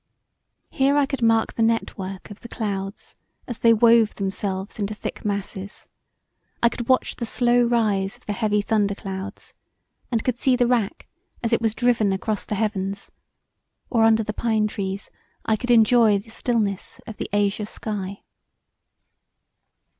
Here I could mark the net work of the clouds as they wove themselves into thick masses: I could watch the slow rise of the heavy thunder clouds and could see the rack as it was driven across the heavens, or under the pine trees I could enjoy the stillness of the azure sky.